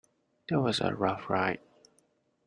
That was a rough ride.